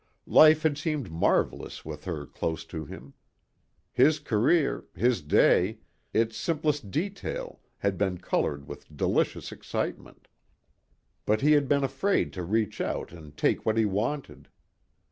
Life had seemed marvelous with her close to him. His career, his day, its simplest detail, had been colored with delicious excitement. But he had been afraid to reach out and take what he wanted.